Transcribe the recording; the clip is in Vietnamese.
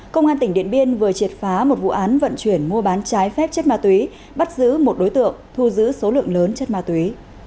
công an tỉnh điện biên vừa triệt phá một vụ án vận chuyển mua bán trái phép chất ma túy bắt giữ một đối tượng thu giữ số lượng lớn chất ma túy